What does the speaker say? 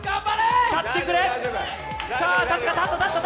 立ってくれ。